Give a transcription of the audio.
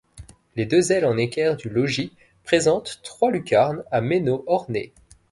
Les deux ailes en équerre du logis présentent trois lucarnes à meneaux ornées.